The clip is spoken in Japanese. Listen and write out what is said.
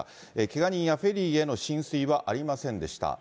けが人やフェリーへの浸水はありませんでした。